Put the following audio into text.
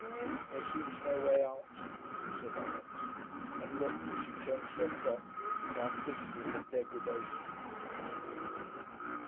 'There seems no way out,' said Alix, and looked, as she changed her frock, down vistas of degradation.